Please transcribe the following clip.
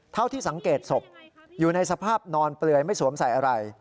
เท่าที่สังเกตศพอยู่ในสภาพนอนเปลือยไม่สวมใส่อะไร